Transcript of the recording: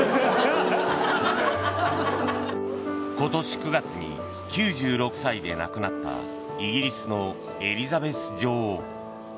今年９月に９６歳で亡くなったイギリスのエリザベス女王。